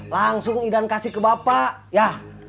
langsung idan kasih ke bapak ya